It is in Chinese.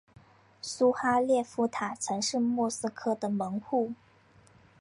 苏哈列夫塔曾是莫斯科的门户。